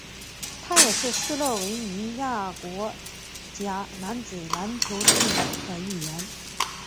他也是斯洛维尼亚国家男子篮球队的一员。